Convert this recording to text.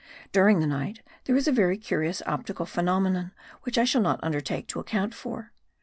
During the night there was a very curious optical phenomenon, which I shall not undertake to account for.